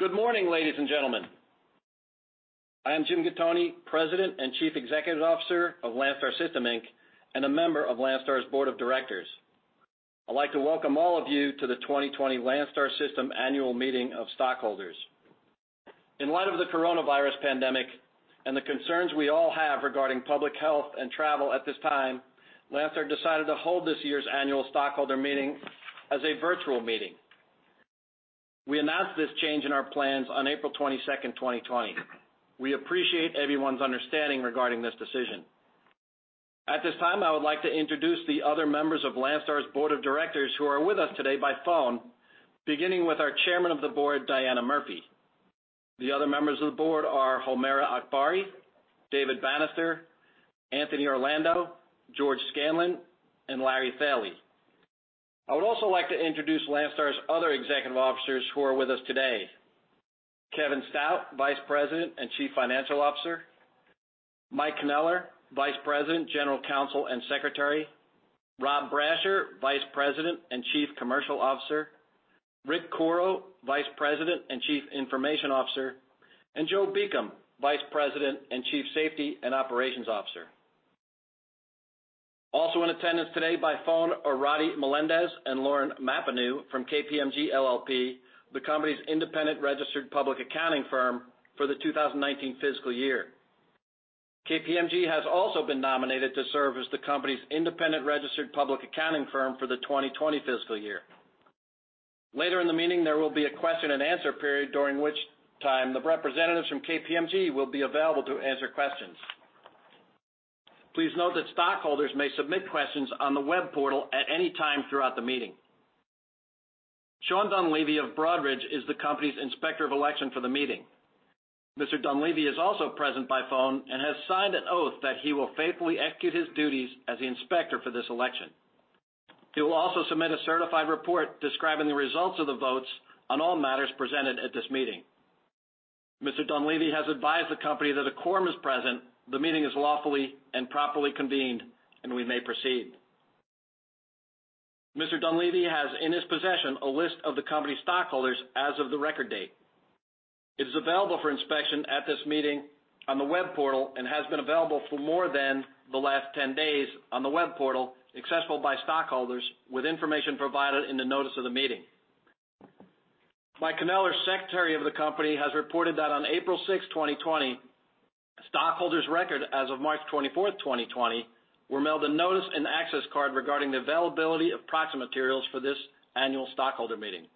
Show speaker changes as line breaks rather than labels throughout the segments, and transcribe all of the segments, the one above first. Good morning, ladies and gentlemen. I am Jim Gattoni, President and Chief Executive Officer of Landstar System Inc, and a member of Landstar's Board of Directors. I'd like to welcome all of you to the 2020 Landstar System Annual Meeting of Stockholders. In light of the coronavirus pandemic and the concerns we all have regarding public health and travel at this time, Landstar decided to hold this year's Annual Stockholder Meeting as a virtual meeting. We announced this change in our plans on April 22nd, 2020. We appreciate everyone's understanding regarding this decision. At this time, I would like to introduce the other members of Landstar's Board of Directors who are with us today by phone, beginning with our Chairman of the Board, Diana Murphy. The other members of the Board are Homaira Akbari, David Bannister, Anthony Orlando, George Scanlon, and Larry Thoele. I would also like to introduce Landstar's other executive officers who are with us today: Kevin Stout, Vice President and Chief Financial Officer; Mike Kneller, Vice President, General Counsel and Secretary; Rob Brasher, Vice President and Chief Commercial Officer; Rick Coro, Vice President and Chief Information Officer; and Joe Beacom, Vice President and Chief Safety and Operations Officer. Also in attendance today by phone are Roddy Melendez and Lauren Papenhausen from KPMG LLP, the company's independent registered public accounting firm for the 2019 fiscal year. KPMG has also been nominated to serve as the company's independent registered public accounting firm for the 2020 fiscal year. Later in the meeting, there will be a question and answer period during which time the representatives from KPMG will be available to answer questions. Please note that stockholders may submit questions on the web portal at any time throughout the meeting. Sean Dunleavy of Broadridge is the company's inspector of election for the meeting. Mr. Dunleavy is also present by phone and has signed an oath that he will faithfully execute his duties as the inspector for this election. He will also submit a certified report describing the results of the votes on all matters presented at this meeting. Mr. Dunleavy has advised the company that a quorum is present, the meeting is lawfully and properly convened, and we may proceed. Mr. Dunleavy has in his possession a list of the company's stockholders as of the record date. It is available for inspection at this meeting on the web portal and has been available for more than the last 10 days on the web portal, accessible by stockholders with information provided in the notice of the meeting. Mike Kneller, Secretary of the Company, has reported that on April 6, 2020, stockholders of record as of March 24, 2020, were mailed a notice and access card regarding the availability of proxy materials for this Annual Stockholder Meeting.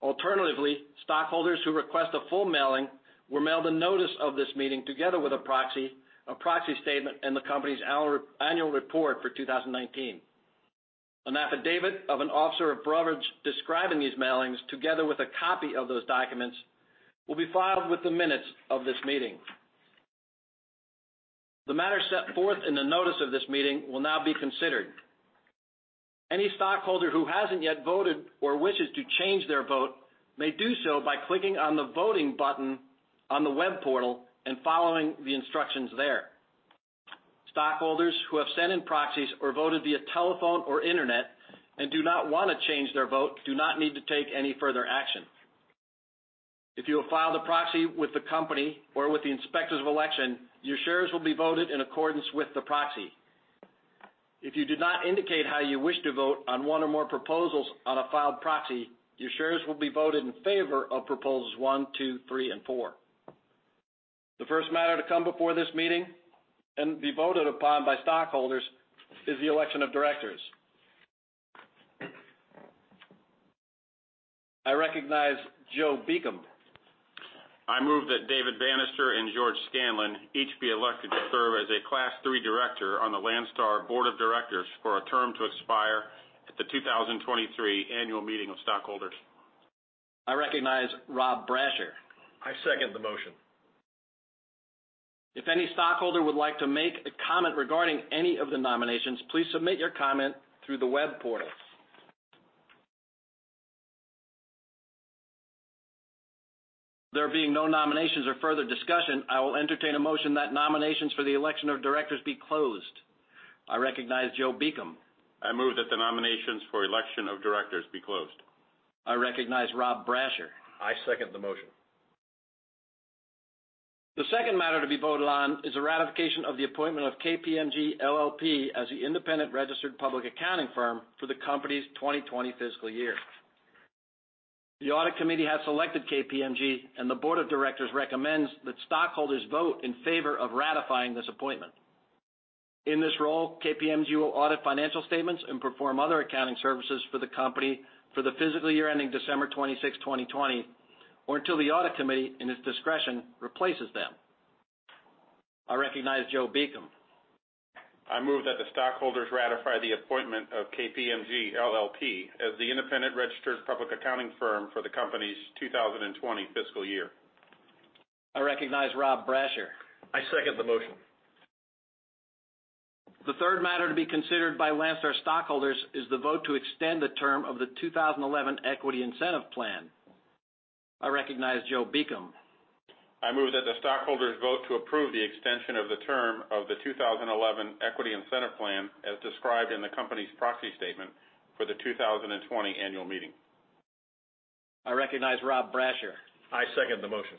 Alternatively, stockholders who request a full mailing were mailed a notice of this meeting together with a proxy, a proxy statement, and the company's annual report for 2019. An affidavit of an officer of Broadridge describing these mailings together with a copy of those documents will be filed with the minutes of this meeting. The matters set forth in the notice of this meeting will now be considered. Any stockholder who hasn't yet voted or wishes to change their vote may do so by clicking on the voting button on the web portal and following the instructions there. Stockholders who have sent in proxies or voted via telephone or internet and do not want to change their vote do not need to take any further action. If you have filed a proxy with the company or with the inspectors of election, your shares will be voted in accordance with the proxy. If you did not indicate how you wish to vote on one or more proposals on a filed proxy, your shares will be voted in favor of proposals one, two, three, and four. The first matter to come before this meeting and be voted upon by stockholders is the election of directors. I recognize Joe Beacom.
I move that David Bannister and George Scanlon each be elected to serve as a Class III director on the Landstar Board of Directors for a term to expire at the 2023 Annual Meeting of Stockholders.
I recognize Rob Brasher.
I second the motion.
If any stockholder would like to make a comment regarding any of the nominations, please submit your comment through the web portal. There being no nominations or further discussion, I will entertain a motion that nominations for the election of directors be closed. I recognize Joe Beacom.
I move that the nominations for election of directors be closed.
I recognize Rob Brasher.
I second the motion.
The second matter to be voted on is the ratification of the appointment of KPMG LLP as the independent registered public accounting firm for the company's 2020 fiscal year. The audit committee has selected KPMG, and the Board of Directors recommends that stockholders vote in favor of ratifying this appointment. In this role, KPMG will audit financial statements and perform other accounting services for the company for the fiscal year ending December 26, 2020, or until the audit committee, in its discretion, replaces them. I recognize Joe Beacom.
I move that the stockholders ratify the appointment of KPMG LLP as the independent registered public accounting firm for the company's 2020 fiscal year.
I recognize Rob Brasher.
I second the motion.
The third matter to be considered by Landstar stockholders is the vote to extend the term of the 2011 Equity Incentive Plan. I recognize Joe Beacom.
I move that the stockholders vote to approve the extension of the term of the 2011 Equity Incentive Plan as described in the company's proxy statement for the 2020 Annual Meeting.
I recognize Rob Brasher.
I second the motion.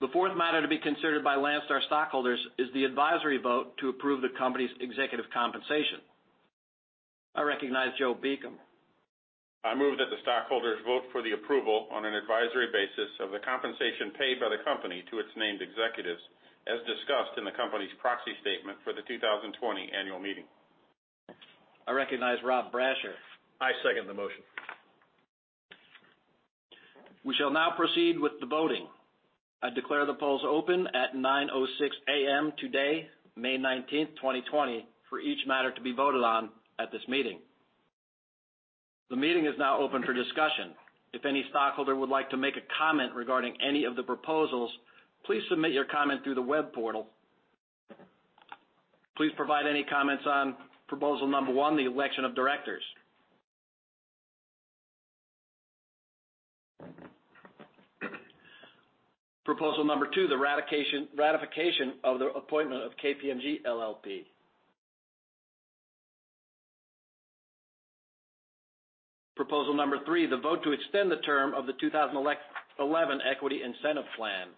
The fourth matter to be considered by Landstar stockholders is the advisory vote to approve the company's executive compensation. I recognize Joe Beacom.
I move that the stockholders vote for the approval on an advisory basis of the compensation paid by the company to its named executives as discussed in the company's proxy statement for the 2020 Annual Meeting.
I recognize Rob Brasher.
I second the motion.
We shall now proceed with the voting. I declare the polls open at 9:06 A.M. today, May 19, 2020, for each matter to be voted on at this meeting. The meeting is now open for discussion. If any stockholder would like to make a comment regarding any of the proposals, please submit your comment through the web portal. Please provide any comments on Proposal Number One, the election of directors. Proposal Number Two, the ratification of the appointment of KPMG LLP. Proposal Number Three, the vote to extend the term of the 2011 Equity Incentive Plan.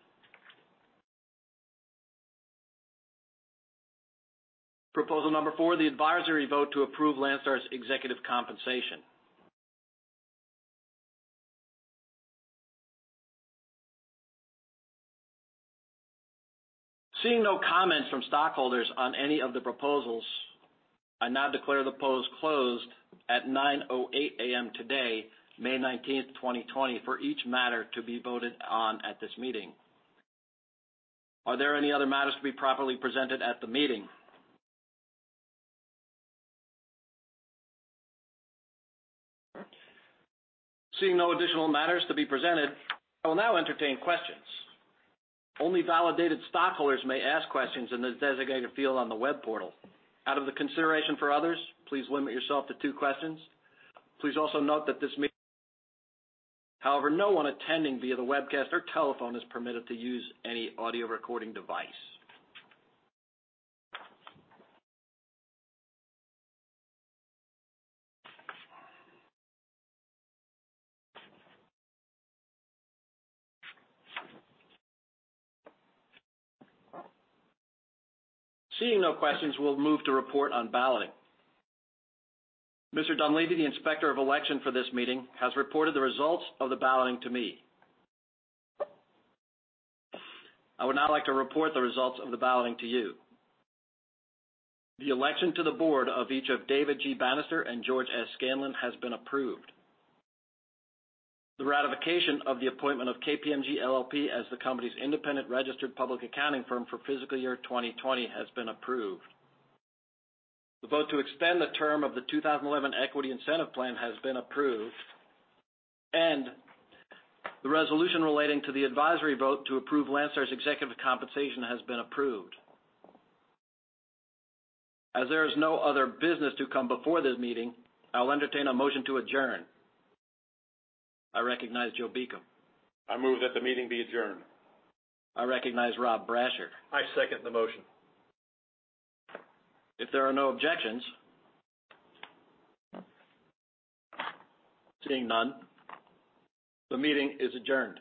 Proposal Number Four, the advisory vote to approve Landstar's executive compensation. Seeing no comments from stockholders on any of the proposals, I now declare the polls closed at 9:08 A.M. today, May 19, 2020, for each matter to be voted on at this meeting. Are there any other matters to be properly presented at the meeting? Seeing no additional matters to be presented, I will now entertain questions. Only validated stockholders may ask questions in the designated field on the web portal. Out of the consideration for others, please limit yourself to two questions. Please also note that this meeting is held by staff. However, no one attending via the webcast or telephone is permitted to use any audio recording device. Seeing no questions, we'll move to report on balloting. Mr. Dunleavy, the inspector of election for this meeting, has reported the results of the balloting to me. I would now like to report the results of the balloting to you. The election to the Board of each of David G. Bannister and George P. Scanlon has been approved. The ratification of the appointment of KPMG LLP as the company's independent registered public accounting firm for fiscal year 2020 has been approved. The vote to extend the term of the 2011 Equity Incentive Plan has been approved, and the resolution relating to the advisory vote to approve Landstar's executive compensation has been approved. As there is no other business to come before this meeting, I will entertain a motion to adjourn. I recognize Joe Beacom.
I move that the meeting be adjourned.
I recognize Rob Brasher.
I second the motion.
If there are no objections. Seeing none, the meeting is adjourned.